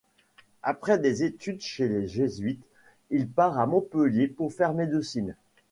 Après des études chez les jésuites, il part à Montpellier pour faire médecine.